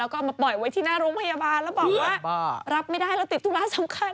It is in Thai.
ก็เอามาปล่อยไว้ที่หน้าโรงพยาบาลแล้วบอกว่ารับไม่ได้แล้วติดธุระสำคัญ